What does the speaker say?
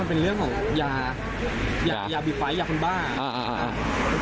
มันเป็นเรื่องของยายายายายาคนบ้าอ่าอ่า